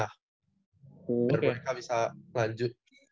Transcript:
biar mereka bisa lanjut